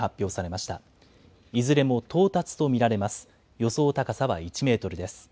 予想の高さは１メートルです。